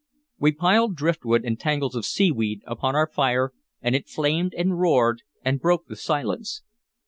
We piled driftwood and tangles of seaweed upon our fire, and it flamed and roared and broke the silence.